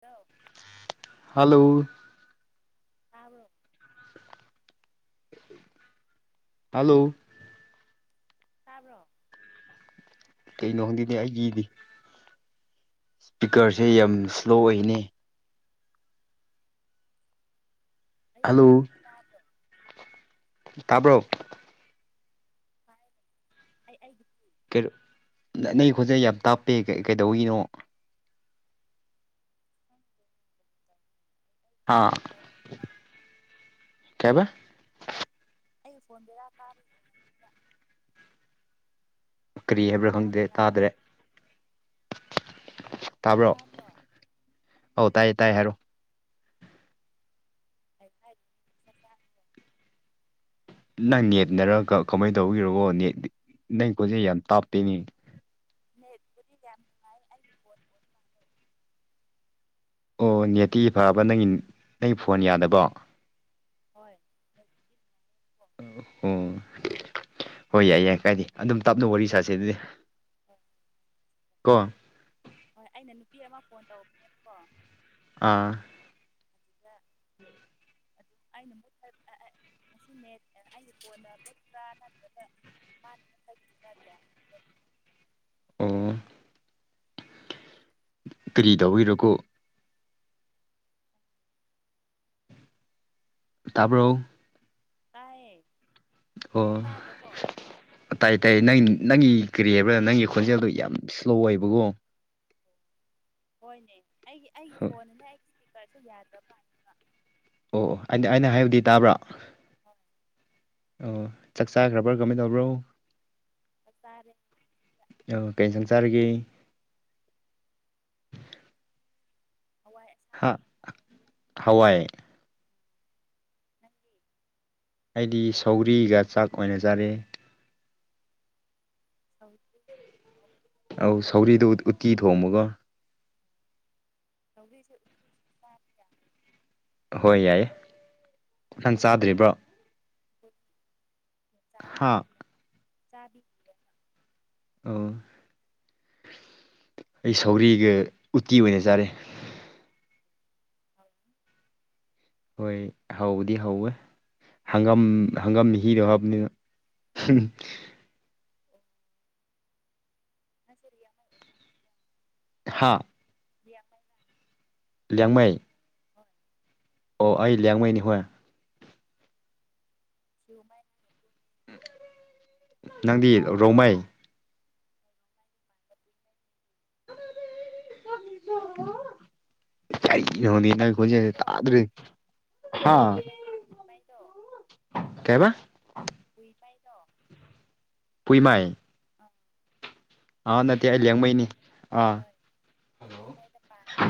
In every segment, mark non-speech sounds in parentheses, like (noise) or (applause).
hello hello ꯑꯥꯕ hello ꯇꯥꯕ꯭ꯔꯣ ꯀꯩꯅꯣꯝꯒꯤꯅꯦ ꯑꯩꯒꯤꯗꯤ ꯏꯁ꯭ꯄꯤꯀꯔꯁꯦ ꯌꯥꯝ ꯁ꯭ꯂꯣ ꯑꯣꯏꯅꯤ ꯍꯜꯂꯣ ꯇꯕ꯭ꯔꯣ ꯇꯥꯕ꯭ꯔꯣ ꯍꯥꯏ ꯑꯩ ꯑꯩꯒꯤ ꯅꯪ ꯈꯣꯖꯩ ꯌꯥꯝ ꯇꯥꯞꯄꯦ ꯀꯩꯗꯧꯔꯤꯅꯣ (unintelligible) ꯍꯥ ꯀꯩꯍꯥꯏꯕ ꯑꯩ ꯐꯣꯟ ꯕꯦꯔꯥ ꯀꯔꯤ ꯀꯔꯤ ꯍꯥꯏꯕ꯭ꯔꯥ ꯈꯪꯗꯦ ꯇꯥꯗꯕ꯭ꯔꯥ ꯇꯥꯗ꯭ꯔꯦ ꯇꯥꯕ꯭ꯔꯣ ꯇꯥꯗ꯭ꯔꯣ ꯑꯧ ꯇꯥꯏꯌꯦ ꯇꯥꯏꯌꯦ ꯍꯥꯏꯔꯛꯣ ꯐ ꯐꯥꯏ ꯅꯪ ꯅꯦꯠꯅꯔ ꯀꯃꯥꯏꯅ ꯇꯧꯕꯒꯤꯔꯣꯕꯣ ꯅꯦꯠ ꯅꯪ ꯀꯣꯟꯆꯦ ꯌꯥꯝ ꯇꯥꯞꯄꯤꯅꯦ ꯃꯦꯠꯕꯨꯗꯤ ꯌꯥꯝ ꯅꯨꯡꯉꯥꯏ ꯐꯣꯟ ꯑꯣꯏ ꯃꯥꯜꯂꯦ ꯑꯣ ꯅꯦꯇꯤ ꯐꯕ ꯅꯪ ꯅꯪ ꯐꯣꯟ ꯌꯥꯗꯕꯣ ꯍꯣꯏ ꯅꯦꯠꯄꯨꯗꯤ ꯅꯨꯡꯉꯥꯏꯌꯦꯕꯀꯣ ꯑꯣ ꯍꯣꯏ ꯌꯥꯏ ꯌꯥꯏ ꯀꯥꯏꯗ ꯑꯗꯨꯝ ꯇꯥꯞꯅ ꯋꯥꯔꯤ ꯁꯥꯁꯦ ꯑꯗꯨꯗꯤ ꯑꯣ ꯀꯣ ꯍꯣꯏ ꯑꯩꯅ ꯅꯨꯄꯤ ꯑꯃ ꯐꯣꯟ ꯇꯧꯕꯅꯦꯕꯀꯣ ꯑꯥ ꯑ ꯑꯗꯨ ꯑꯩꯅꯨ ꯉꯁꯤꯅꯦ ꯑꯩꯒꯤ ꯐꯣꯟꯗ ꯃꯨꯠꯄ꯭ꯔꯥ ꯅꯠꯇ꯭ꯔꯒ ꯃꯥꯟ ꯔ ꯑꯣ ꯀꯔꯤ ꯇꯧꯕꯒꯤꯔꯣꯀꯣ ꯇꯥꯔꯕꯣ ꯇꯥꯏꯌꯦ ꯑꯃꯨꯛ ꯑꯣ ꯇꯥꯗ꯭ꯔꯣꯀꯣ ꯇꯥꯏꯌꯦ ꯇꯥꯏꯌꯦ ꯅꯪ ꯅꯪꯒꯤ ꯀꯔꯤ ꯍꯥꯏꯕ꯭ꯔꯥ ꯅꯪꯒꯤ ꯈꯣꯟꯖꯦꯜꯗꯨ ꯌꯥꯝ ꯏꯁꯂꯣ ꯑꯣꯏꯕꯀꯣ ꯍꯣꯏꯅꯦ ꯑꯩꯒꯤ ꯑꯩꯒꯤ ꯐꯣꯟꯗꯅ ꯑꯩꯒꯤ ꯏꯁꯄꯤꯀꯔꯁꯦ ꯌꯥꯗꯕ ꯄꯥꯅꯤ ꯑꯣ ꯑꯩꯅ ꯑꯩꯅ ꯍꯥꯏꯕꯗꯤ ꯇꯥꯕ꯭ꯔꯥ ꯍꯣꯏ ꯑꯣ ꯆꯥꯛ ꯆꯥꯈ꯭ꯔꯕ꯭ꯔꯥ ꯀꯃꯥꯏꯅ ꯇꯧꯕ꯭ꯔꯣ ꯑꯇꯥꯥꯔꯦ ꯑꯣ ꯀꯔꯤ ꯏꯟꯁꯥꯡ ꯆꯥꯔꯒꯦ ꯍꯋꯥꯏ ꯍꯥ ꯑꯁꯥꯡꯕꯒ ꯈꯥꯃꯦꯟ ꯍꯋꯥꯏ ꯅꯒꯤ ꯑꯩꯗꯤ ꯁꯧꯔꯤꯒ ꯆꯥꯛ ꯑꯣꯏꯅ ꯆꯥꯔꯦ ꯍꯧ ꯑꯧ ꯁꯧꯒ꯭ꯔꯤꯗꯨꯣ ꯎꯠꯇꯤ ꯊꯣꯡꯕꯒꯣ (unintelligible) ꯍꯣꯏ ꯌꯥꯏꯌꯦ ꯑꯣꯛ ꯁꯟ ꯆꯥꯗ꯭ꯔꯤꯕ꯭ꯔꯣ ꯍꯥ (unintelligible) ꯑ ꯑꯩ ꯁꯧꯒ꯭ꯔꯤꯒ ꯎꯇꯤ ꯑꯣꯏꯅ ꯆꯥꯔꯦ ꯍ ꯍꯣꯏ ꯍꯧꯕꯗꯤ ꯍꯧꯋꯦ ꯍꯪꯒꯝ ꯍꯪꯒꯝ ꯍꯤꯔꯣ ꯍꯥꯏꯕꯅꯤꯅ ꯑꯣ ꯑ ꯁꯔꯤ ꯌꯥꯝ ꯑꯃ ꯍꯥꯥ ꯥꯏ ꯂꯤꯌꯥꯡꯃꯩ ꯍꯣꯏ ꯑꯣ ꯑꯩ ꯂꯌꯥꯡꯃꯩꯅꯤ ꯍꯣꯏ ꯌꯌꯨꯃ ꯅꯪ ꯅꯪꯗꯤ ꯔꯣꯡꯃꯩ ꯍꯣꯏꯔꯣꯡꯃꯩꯗ ꯄꯥꯟꯕ ꯄꯨꯏꯃꯩ ꯀꯩꯅꯣꯅꯦ ꯅꯪ ꯈꯣꯟꯖꯦꯟꯁꯦ ꯇꯥꯗ꯭ꯔꯦ ꯔꯨꯏꯃꯩ ꯔꯨꯏꯃꯩꯗꯣ ꯀꯕ ꯋꯨꯏꯄꯩꯗꯣ ꯄꯨꯏꯃꯥꯏ ꯑ ꯑꯥ ꯅꯠꯇꯦ ꯑꯩ ꯂꯤꯌꯥꯡꯃꯩꯅꯤ ꯑꯥ ꯔꯣꯃꯥꯏꯗ ꯄꯥꯟꯈ꯭ꯔꯦ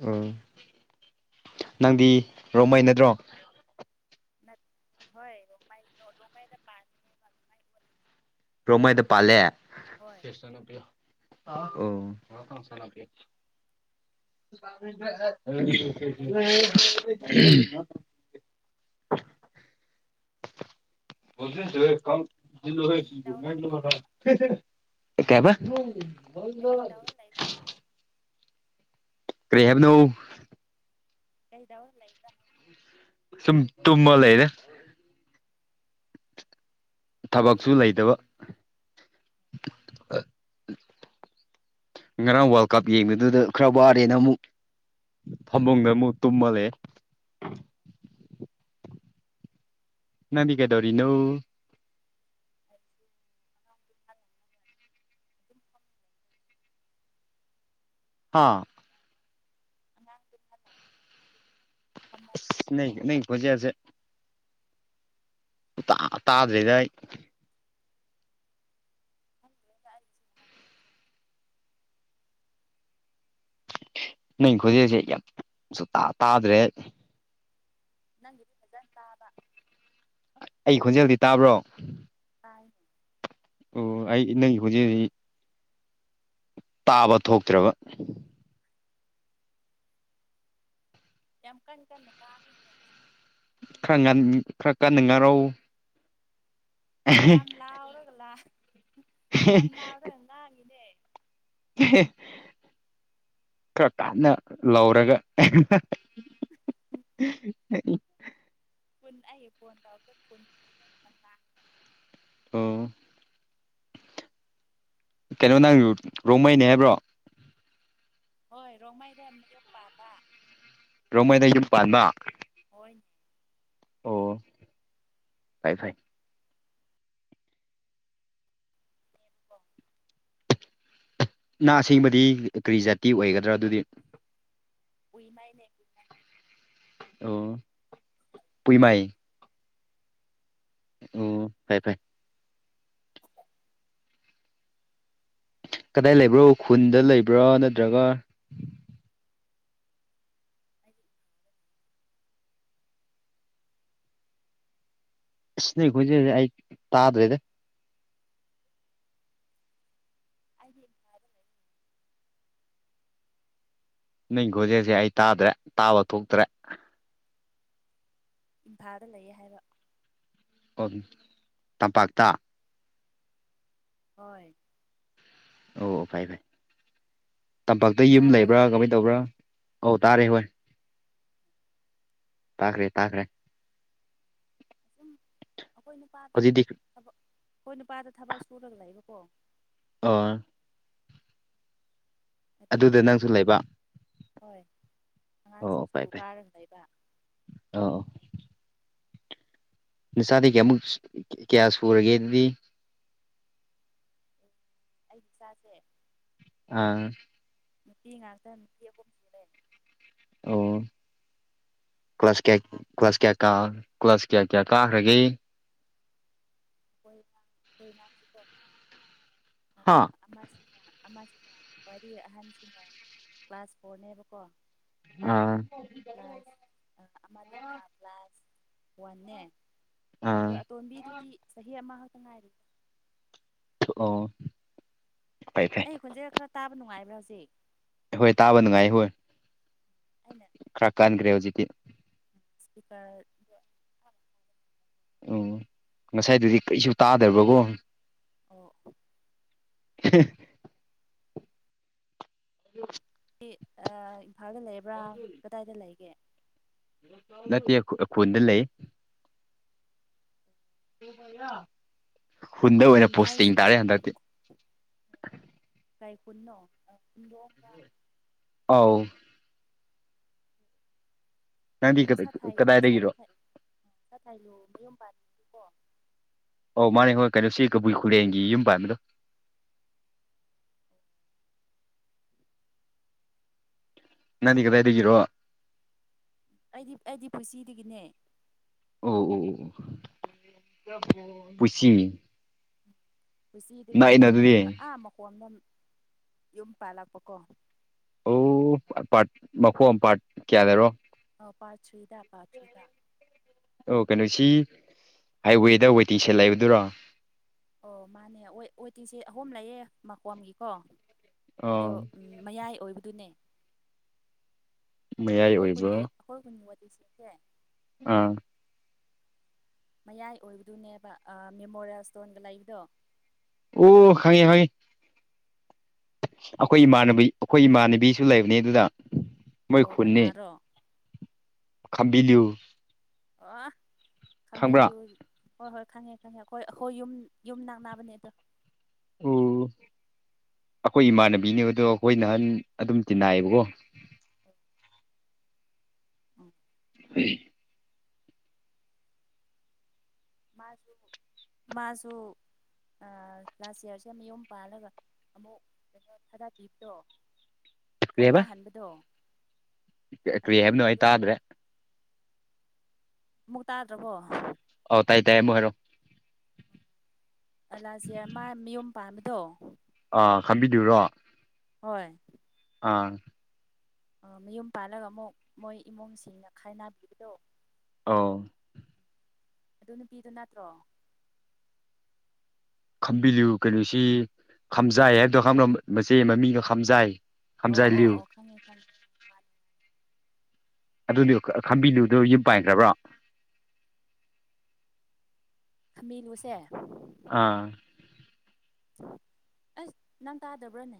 ꯎꯝ ꯅꯪꯗꯤ ꯔꯣꯃꯩꯅꯗ꯭ꯔꯣ ꯅ ꯍꯣꯏ ꯔꯨꯃꯥꯏ ꯅ ꯔꯨꯃꯥꯏꯗ ꯄ ꯄ꯭ꯔꯣꯃꯥꯏꯗ ꯄꯥꯜꯂꯦ ꯍꯣꯏ (unintelligible) ꯀꯩꯗꯧ (unintelligible) ꯂꯩꯕ꯭ꯔꯣ ꯍꯧꯖꯤꯛꯇꯤ (unintelligible) ꯀꯔꯤ ꯇꯧꯔ ꯂꯩꯕ꯭ꯔꯕ (unintelligible) ꯀꯩ ꯍꯥꯏꯕ ꯀꯔꯤ ꯇꯧꯔ ꯂꯩꯕꯣ ꯀ꯭ꯔꯦꯍꯕꯅꯣ ꯀꯩꯗꯧꯔ ꯂꯩꯕ꯭ꯔꯥ ꯁ ꯇꯨꯝꯃꯜ ꯂꯩ ꯂꯩꯗ ꯍꯥꯏꯕꯁꯨ ꯊꯕꯛꯁꯨ ꯇꯨꯝ ꯇꯨꯝ ꯂꯩꯇꯕ ꯉꯔꯥꯡ ꯋꯥꯔꯜ ꯀꯞ ꯌꯦꯡꯕꯗꯨꯗ ꯈꯔ ꯋꯥꯔꯦꯅ ꯑꯃꯨꯛ ꯐꯃꯨꯡꯗ ꯑꯃꯨꯛ ꯇꯨꯝꯃ ꯂꯩꯌꯦ ꯅꯗꯤꯒꯦꯗꯧꯔꯤꯅꯣ (unintelligible) ꯍꯥꯥ ꯑꯥꯡ ꯂ ꯊꯃ ꯂꯩ ꯅ ꯅ ꯈꯣꯖꯤꯁꯦ ꯇꯥꯗ꯭ꯔꯤꯗꯩ ꯍꯝ ꯅꯪ ꯈꯣꯏꯖꯤꯛꯁꯦ ꯌꯥꯝ ꯁ ꯇꯥꯗ꯭ꯔꯦ ꯅꯪꯒꯤꯗꯤ ꯐꯖꯅ ꯆꯥꯕ ꯑꯩ ꯈꯣꯟꯖꯦꯜꯗꯤ ꯇꯥꯕ꯭ꯔꯣ ꯑꯥ ꯑꯣ ꯑꯩ ꯅꯪꯒꯤ ꯍꯧꯖꯤꯛ ꯍꯧꯖꯤꯛ ꯇꯥꯕ ꯊꯣꯛꯇ꯭ꯔꯕ ꯌꯥꯝ ꯀꯟ ꯀꯟꯅꯀ ꯈꯔ ꯉ ꯈꯔ ꯀꯥꯟꯅꯤꯡꯉꯥꯏꯔꯧ ꯌꯥꯝ ꯂꯥꯎꯔꯒ ꯂꯥꯎ ꯌꯥꯝ ꯂꯥꯎꯔꯒ ꯉꯥꯡꯉꯤꯅꯦ ꯈꯔ ꯀꯥꯟꯅ ꯂꯧꯔꯒ (inaudible) ꯄꯨꯨꯟ ꯑꯏꯌꯦ ꯐꯣꯟ ꯇꯧꯒ ꯐꯨꯟ ꯑꯣ ꯀꯩꯅꯣ ꯅꯪ ꯔꯣꯡꯃꯩꯅꯦ ꯍꯥꯏꯕ꯭ꯔꯣ ꯍꯣꯏ ꯔꯣꯡꯃꯩꯗ ꯌꯨꯝ ꯄꯥꯟꯂ ꯔꯣꯃꯣꯏꯗ ꯌꯨꯝ ꯄꯥꯟꯕ ꯍꯣꯏ ꯑꯣ ꯐꯥꯏ ꯐꯥꯏ ꯍꯦꯝꯄꯣꯡ ꯅꯥꯁꯦꯡꯕꯗꯤ ꯀꯔꯤ ꯖꯥꯇꯤ ꯑꯣꯏꯒꯗ꯭ꯔꯥ ꯑꯗꯨꯗꯤ ꯎꯨꯏꯃꯥꯏꯅꯦ ꯀꯨꯏꯃꯥꯏꯅꯦ ꯑꯣ ꯄꯏꯃꯥꯏ ꯑꯣ ꯐꯥꯏ ꯐꯥꯏ ꯀꯗꯥꯏ ꯂꯩꯕ꯭ꯔꯣ ꯎꯈꯨꯜꯗ ꯂꯩꯕ꯭ꯔꯥ ꯅꯠꯇ꯭ꯔꯒ ꯍꯥꯏ ꯏꯁꯅꯤꯈꯣꯏꯖꯤꯦ ꯑꯩ ꯇꯥꯗ꯭ꯔꯦꯗ ꯑ ꯃꯔ ꯅꯪ ꯈꯣꯖꯦꯁꯦ ꯑꯩ ꯇꯥꯗ꯭ꯔꯦ ꯇꯥꯕ ꯊꯣꯛꯇ꯭ꯔꯦ ꯏꯝꯐꯥꯗ ꯂꯩꯌꯦ ꯍꯥꯏꯕ ꯇꯝꯄꯥꯛꯇ ꯍꯣꯏ ꯑꯣ ꯐꯩ ꯐꯩ ꯇꯝꯄꯥꯛꯇ ꯌꯨꯝ ꯇꯥꯕ꯭ꯔꯣ ꯂꯩꯕ꯭ꯔꯥ ꯍꯧꯖꯤꯛꯇꯤ ꯀꯃꯥꯏꯅ ꯇꯧꯕ꯭ꯔꯥ ꯑꯧ ꯇꯥꯔꯦ ꯍꯣꯏ ꯇꯥꯈ꯭ꯔꯦ ꯇꯥꯈ꯭ꯔꯦ ꯁꯨꯝ ꯑꯩꯈꯣꯏ ꯅꯨꯄꯥꯗꯣ ꯍꯧꯖꯤꯛꯇꯤ ꯊꯕꯛ ꯑꯩꯈꯣꯏ ꯅꯨꯄꯥꯗ ꯊꯕꯛ ꯁꯨꯔꯒ ꯂꯩꯕꯀꯣ ꯑꯣ ꯑꯗꯨꯒꯤ ꯑꯗꯨꯗ ꯅꯪꯁꯨ ꯑꯩꯅ ꯂꯩꯕ ꯍꯣꯏ ꯑꯉꯥꯡꯁꯤꯡ ꯁ꯭ꯀꯨꯜ ꯀꯥꯔꯝ ꯂꯩꯕ ꯑ ꯅꯆꯥꯗꯒꯤ ꯀꯌꯥꯃꯨꯛ ꯀꯌꯥ ꯁꯨꯔꯒꯦ ꯑꯗꯨꯗꯤ ꯑꯩ ꯏꯆꯥꯁꯦ ꯑꯥ ꯅꯨꯅꯨꯡꯄꯤꯤ ꯉꯥꯛꯇ ꯅꯨꯅꯨꯡꯇ ꯑꯩꯈꯨꯝ ꯑꯣ ꯀ꯭ꯂꯥꯁ ꯀꯌꯥ ꯀ꯭ꯂꯥꯁ ꯀꯌꯥ ꯀꯥ ꯀ꯭ꯂꯥꯁ ꯀꯌꯥ ꯀꯌꯥ ꯀꯥꯈ꯭ꯔꯒꯦ ꯍꯣꯏꯁꯤꯗꯣ ꯍꯥꯥ ꯑꯃꯁꯤꯅ ꯑꯃꯁꯤꯅ ꯋꯥꯔꯤꯏ ꯑꯍꯟꯁꯤꯡꯅ ꯀ꯭ꯂꯥꯁ ꯐꯣꯔꯅꯦꯕꯀꯣ ꯑꯥ ꯭ꯂꯥꯁ ꯑꯃꯗꯨꯅ ꯭ꯂꯥꯁ ꯋꯥꯟꯅꯦ ꯑꯗꯣ ꯑꯥ ꯑꯇꯣꯝꯕꯤꯗꯨꯗꯤ ꯆꯍꯤ ꯑꯃꯈꯛꯇ ꯉꯥꯏꯔꯤ ꯑꯣ ꯐꯩ ꯐꯩ ꯑꯩ ꯈꯣꯟꯖꯦꯜ ꯈꯔ ꯇꯥꯕ ꯅꯨꯡꯉꯥꯏꯕ꯭ꯔꯥ ꯍꯧꯖꯤꯛ ꯍꯣꯏ ꯇꯥꯕ ꯅꯨꯡꯉꯥꯏ ꯍꯣꯏ ꯈꯔ ꯀꯥꯟꯈ꯭ꯔꯦ ꯍꯧꯖꯤꯛꯇꯤ ꯄꯤꯄꯔ ꯎꯝ ꯉꯁꯥꯏꯗꯨꯗꯤ ꯀꯔꯤꯁꯨ ꯇꯥꯗꯕꯀꯣ ꯑꯣ (unintelligible) ꯎꯝ ꯁꯤ ꯏꯝꯐꯥꯜꯗ ꯂꯩꯔꯕ꯭ꯔꯥ ꯀꯗꯥꯏꯗ ꯂꯩꯒꯦ ꯅꯠꯇꯦ ꯑꯩꯈꯣꯟꯗ ꯂꯩ (unintelligible) (inaudible) ꯑꯣꯏꯅ ꯈꯨꯟ ꯄꯣꯁꯇꯤꯡ ꯍꯥꯏꯔꯤꯁꯤꯕꯣ ꯇꯥꯔꯦ ꯍꯟꯗꯛꯇꯤ ꯁꯥꯏꯈꯣꯟꯅꯣ ꯈꯟꯗꯣꯅꯨꯡꯕ ꯑꯥꯎ ꯅꯪꯗꯤ ꯑꯩꯅ ꯁꯥꯊꯥꯏ ꯀꯗꯥꯏꯗꯒꯤꯔꯣ ꯁꯥꯊꯥꯏ ꯂꯨ ꯃ ꯌꯣꯕꯥꯅꯤ ꯀꯣ ꯑꯣꯧ ꯃꯥꯅꯦ ꯍꯣꯏ ꯀꯩꯅꯣ ꯁꯤ ꯀꯕꯨꯏ ꯈꯨꯔꯦꯡꯒꯤ ꯌꯨꯝ ꯄꯥꯏꯕꯗꯣ ꯅꯗꯤ ꯀꯗꯥꯏꯗꯒꯤꯔꯣ ꯑꯩꯗꯤ ꯑꯩꯗꯤ ꯄꯨꯟꯁꯤꯗꯒꯤꯅꯦ ꯑꯣ ꯄꯣꯏꯁꯤꯅꯤ ꯀꯆꯤꯗꯒꯤ ꯑꯗꯨꯗꯤ ꯑꯥ ꯃꯈꯣꯗ ꯌꯨꯝ ꯄꯥꯜꯂꯛꯄꯀꯣ ꯑꯥ ꯄꯥꯔꯠ ꯃꯈꯣꯡ ꯑꯃ ꯄꯥꯔꯠ ꯀꯌꯥꯗꯔꯣ ꯑ ꯄꯗ ꯄꯗ ꯑꯣ ꯀꯩꯅꯣꯁꯤ ꯍꯥꯏꯋꯦꯗ ꯋꯦꯇ ꯁꯠ ꯂꯩꯕꯗꯨꯔꯣ ꯑꯣ ꯃꯥꯅꯦ ꯑꯣꯏ ꯇꯤꯡꯁꯦꯠ ꯑꯍꯨꯝ ꯂꯩꯌꯦ ꯃꯈꯀꯣꯝꯒꯤꯀꯣ ꯑꯗꯣ ꯑꯣ ꯎꯝ ꯃꯌꯥꯏ ꯑꯣꯏꯕꯗꯨꯅꯦ ꯃꯌꯥꯏ ꯑꯩꯈꯣꯏ ꯀꯨꯟꯒꯤ ꯑꯣꯏꯕ꯭ꯔꯣ ꯑꯩꯈꯣꯏ ꯀꯨꯟꯒꯤ ꯃꯇꯦꯛꯁꯤꯡꯁꯦ ꯑꯥ ꯃꯌꯥꯏ ꯑꯣꯏꯕꯗꯨꯅꯦꯕ ꯃꯦꯃꯣꯔꯤꯌꯦꯜ ꯁ꯭ꯇꯣꯟꯒ ꯂꯩꯕꯗꯣ ꯑꯣ ꯍꯪꯉꯦ ꯍꯪꯉꯦ ꯑꯩꯈꯣꯏ ꯏꯃꯥꯟꯅꯕꯤ ꯑꯩꯈꯣꯏ ꯏꯃꯥꯟꯅꯕꯤꯁꯨ ꯂꯩꯕꯅꯦ ꯑꯗꯨꯗ ꯃꯣꯏ ꯑꯣ ꯍꯣꯟꯅ ꯀꯅꯥꯔꯣ ꯈꯝꯕꯤꯂꯤ ꯑ ꯈꯝꯕꯤ ꯈꯪꯕ꯭ꯔꯥ ꯂꯨ ꯍꯣꯏ ꯍꯣꯏ ꯈꯪꯉꯦ ꯈꯪꯉꯦ ꯑꯩꯈꯣꯏ ꯑꯩꯈꯣꯏ ꯌꯨꯝ ꯌꯨꯝ ꯛꯅꯕꯅꯦ ꯑꯗꯣ ꯑꯣ ꯑꯩꯈꯣꯏ ꯏꯃꯥꯟꯅꯕꯤꯅꯦꯕ ꯑꯗꯣ ꯑꯩꯈꯣꯏ ꯅꯍꯥꯟ ꯑꯗꯨꯝ ꯇꯤꯟꯅꯏꯌꯦꯕꯀꯣ ꯎ ꯑꯣ ꯍ ꯃꯥꯁꯨ ꯃꯥꯁꯨ ꯂꯥꯁ ꯌꯌꯥꯔꯁꯦ ꯃꯌꯣꯨꯝ ꯄꯥꯜꯂꯒ ꯑꯃꯨꯛ ꯀꯩꯅꯣ ꯈꯔ ꯄꯤꯕꯗꯣ ꯀꯔꯤ ꯍꯥꯏꯕ ꯊꯥꯏꯅꯍꯟꯕꯗꯣ ꯀꯔꯤ ꯍꯥꯏꯕꯅꯣꯉ ꯑꯩ ꯇꯥꯗ꯭ꯔꯦ ꯃꯨꯛ ꯇꯥꯗ꯭ꯔꯕꯣ ꯑꯧ ꯇꯥꯏ ꯇꯥꯏꯌꯦ ꯃꯕꯨꯣꯏ ꯍꯥꯏꯔꯣ ꯑꯂꯥꯁꯤꯌꯥ ꯃꯥ ꯃꯤꯌꯨꯝ ꯄꯥꯝꯕꯗꯣ ꯑꯥ ꯈꯝꯕꯤꯗꯨꯔꯣ ꯍꯣꯏ ꯑꯥ ꯃꯌꯨꯝ ꯄꯥꯜꯂꯒ ꯑꯃꯨꯛ ꯃꯣꯏ ꯏꯃꯨꯡꯁꯤꯡꯅ ꯈꯥꯏꯅꯕꯤꯕꯗꯣ ꯑꯥꯎ ꯑꯗꯨ ꯅꯨꯄꯤꯗꯨꯣ ꯅꯠꯇ꯭ꯔꯣ ꯈꯝꯕꯤꯂꯨ ꯀꯩꯅꯣꯁꯤ ꯈꯥꯝꯖꯥꯏ ꯍꯥꯏꯕꯗꯣ ꯈꯪ ꯃꯆꯦ ꯃꯃꯤꯡꯅꯣ ꯈꯥꯝꯖꯥꯏ ꯑꯣ ꯑꯣ ꯑꯣ ꯈꯪꯉꯤ ꯈꯪꯉꯤ ꯑꯗꯨꯗꯤ ꯈꯝꯕꯤꯗꯨꯨꯗꯣ ꯌꯨꯝ ꯄꯥꯏꯈ꯭ꯔꯕ꯭ꯔꯣ ꯈꯃꯂꯨꯁꯦ ꯑꯥ ꯑꯁ ꯅꯪ ꯇꯥꯗꯕ꯭ꯔꯥꯅꯦ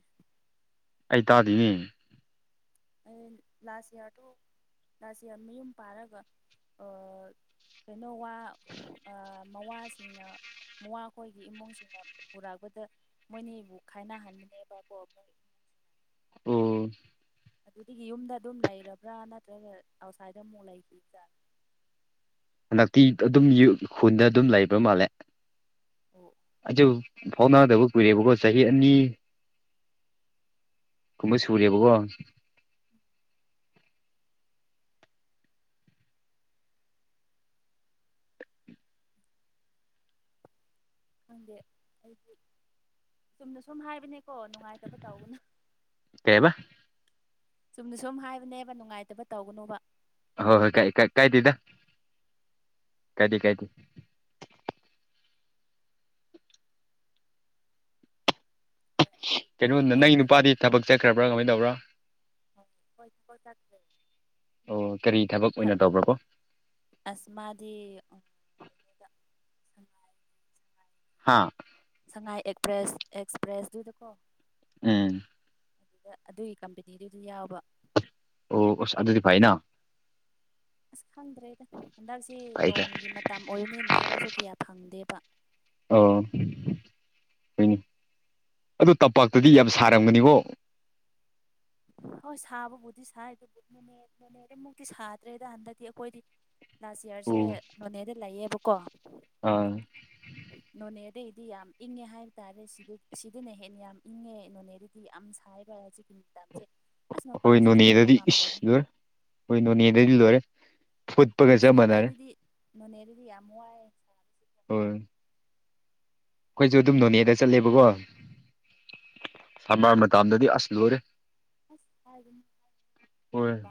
ꯑꯩ ꯇꯥꯗꯣꯏꯅꯦ ꯑꯩ ꯂꯥꯁ ꯏꯌꯥꯔꯗꯨ ꯂꯥꯁ ꯏꯌꯥꯔ ꯃꯌꯨꯝ ꯄꯥꯔꯒ ꯀꯩꯅꯣ ꯋꯥ ꯃꯋꯥꯁꯤꯡꯅ ꯃꯋꯥꯈꯣꯏꯒꯤ ꯏꯃꯨꯡꯁꯤꯡꯅ ꯄꯨꯔꯛꯄꯗ ꯃꯣꯏꯅꯤꯕꯨ ꯈꯥꯏꯅꯍꯟꯕꯅꯦꯕꯀꯣ ꯃꯣꯏ ꯑꯣ ꯑꯗꯨꯗꯒꯤ ꯌꯨꯝꯗ ꯑꯗꯨꯝ ꯂꯩꯔꯕ꯭ꯔꯥ ꯅꯠꯇ꯭ꯔꯒ ꯑꯥꯎꯠꯁꯥꯏꯗ ꯑꯃꯨꯛ ꯂꯩꯇꯥ ꯍꯟꯗꯛꯇꯤ ꯑꯗꯨꯝ ꯈꯨꯟꯗ ꯑꯗꯨꯝ ꯂꯩꯕ ꯃꯥꯜꯂꯦ ꯑꯣ ꯑꯩ ꯐꯥꯎꯅꯗꯕ ꯀꯨꯏꯔꯦꯕꯀꯣ ꯆꯍꯤ ꯑꯅꯤ ꯀꯨꯝꯣꯏ ꯁꯨꯔꯦꯕꯀꯣ ꯈꯪꯗꯦ ꯑꯩꯗꯤ ꯆꯨꯝꯅ ꯁꯨꯝ ꯍꯥꯏꯕꯅꯦꯀꯣ ꯅꯨꯡꯉꯥꯏꯇꯕ ꯇꯧꯕꯅ ꯀꯩꯕ ꯆꯨꯝꯅ ꯁꯨꯝ ꯍꯥꯏꯕꯅꯦꯕ ꯅꯨꯡꯉꯥꯏꯇꯕ ꯇꯧꯒꯅꯣꯕ ꯍꯣ ꯍꯣꯏ ꯀ ꯀ ꯀꯥꯏ ꯇꯗ ꯀꯥꯏꯗꯤ ꯀꯥꯏ ꯇ ꯍꯣꯏ ꯑꯗꯨ ꯃꯣꯏ ꯀꯩꯅꯣꯗ ꯃꯣꯏ ꯅꯪꯒꯤ ꯈꯨꯟ ꯅꯨꯄꯥꯗꯤ ꯊꯕꯛ ꯆꯠꯈ꯭ꯔꯕ꯭ꯔꯥ ꯀꯃꯥꯏꯅ ꯇꯧꯕ꯭ꯔꯥ ꯑꯣ ꯄꯣꯏꯁ ꯄꯩ ꯆꯥꯦ ꯑꯣ ꯀꯔꯤ ꯊꯕꯛ ꯑꯣꯏꯅ ꯇꯧꯕ꯭ꯔꯕꯣ ꯑꯁꯃꯗꯤꯉ ꯍꯥꯥ ꯁꯉꯥꯏꯛꯄ꯭ꯔꯦꯁ ꯑꯦꯛꯁꯄ꯭ꯔꯦꯁꯇꯨꯗꯀꯣ ꯎꯝ ꯑꯗꯨꯗ ꯑꯗꯨꯒꯤ ꯀꯝꯄꯦꯅꯤꯗꯨꯗꯨ ꯌꯥꯎꯕ ꯑꯣ ꯑꯁ ꯑꯗꯨꯗꯤ ꯐꯩꯅ ꯑꯁ ꯈꯪꯗ꯭ꯔꯦꯗ ꯍꯟꯗꯛꯁꯤ ꯐꯩ ꯐꯩ ꯅꯣꯡꯒꯤ ꯃꯇꯝ ꯑꯣꯏꯕꯅꯤꯅ ꯊꯕꯛꯁꯨ ꯀꯌꯥ ꯐꯪꯗꯦꯕ ꯑꯣ ꯍꯣꯏꯅꯦ ꯑꯗꯨ ꯇꯝꯄꯥꯛꯇꯗꯤ ꯌꯥꯝ ꯁꯥꯔꯝꯒꯅꯤꯀꯣ ꯍꯣꯏ ꯁꯥꯕꯕꯨꯗꯤ ꯁꯥꯏ ꯑꯗꯨꯕꯨꯅꯦꯠ ꯃꯅꯦꯠ ꯑꯃꯨꯛꯇꯤ ꯁꯥꯗ꯭ꯔꯦꯗ ꯍꯟꯗꯛꯇꯤ ꯑꯩꯈꯣꯏꯗꯤ ꯂꯥꯁ ꯌꯌꯥꯔꯁꯦ ꯑꯣ ꯅꯣꯅꯦꯗ ꯂꯩꯌꯦꯕꯀꯣ ꯑꯥ ꯅꯣꯅꯦꯗꯩꯗꯤ ꯌꯥꯝ ꯏꯪꯉꯦ ꯍꯥꯏꯕ ꯇꯥꯔꯦ ꯁꯤꯗꯅ ꯍꯦꯟꯅ ꯌꯥꯝ ꯏꯪꯉꯦ ꯅꯣꯅꯦꯗꯤ ꯗꯤ ꯌꯥꯝ ꯁꯥꯏꯕ ꯍꯧꯖꯤꯛꯀꯤ ꯃꯇꯝꯁꯦ ꯑꯁ ꯍꯣꯏ ꯃꯄꯥꯟꯁꯨ ꯊꯣꯛꯄ ꯅꯣꯅꯦꯗꯗꯤ ꯏꯁ ꯉꯝꯗꯕꯅꯦ ꯂꯣꯏꯔꯦ ꯍꯣꯏ ꯅꯣꯅꯦꯗꯗꯤ ꯂꯣꯏꯔꯦ ꯐꯨꯠꯄꯒ ꯑꯁ ꯆꯞ ꯃꯥꯟꯅꯔꯦ ꯅꯣꯅꯦꯗꯨꯗꯤ ꯅꯣꯅꯦꯗꯨꯗꯤ ꯌꯥꯝ ꯋꯥꯏ ꯁꯥꯕꯁꯤꯀꯣ ꯍꯣꯏ ꯑꯩꯈꯣꯏꯁꯨ ꯑꯗꯨꯝ ꯅꯣꯅꯦꯗ ꯆꯠꯂꯦꯕꯀꯣ ꯁꯔꯃꯔ ꯃꯇꯗꯗꯤ ꯑꯁ ꯂꯣꯏꯔꯦ ꯑꯁ ꯍꯥꯏꯝ ꯍꯣꯏ